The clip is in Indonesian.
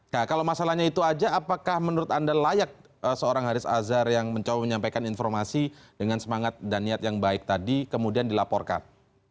nah kalau masalahnya itu aja apakah menurut anda layak seorang haris azhar yang mencoba menyampaikan informasi dengan semangat dan niat yang baik tadi kemudian dilaporkan